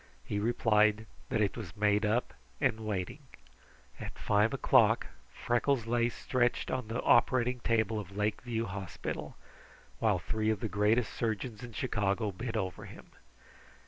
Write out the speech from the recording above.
He replied that it was made up and waiting. At five o'clock Freckles lay stretched on the operating table of Lake View Hospital, while three of the greatest surgeons in Chicago bent over him.